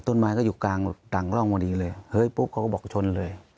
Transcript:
ต้นไม้ก็อยู่กลางดังร่องพอดีเลยเฮ้ยปุ๊บเขาก็บอกชนเลย